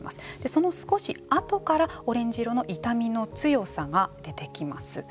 その少し後からオレンジ色の痛みの強さが出てきます。